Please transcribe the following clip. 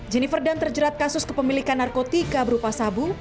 jennifer dunn terjerat kasus kepemilikan narkotika berupa sabu